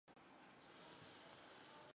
晋国伯宗之子。